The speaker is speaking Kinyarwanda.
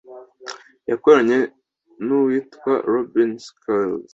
yakoranye n’uwitwa Robin Schulz.